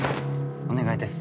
お願いです。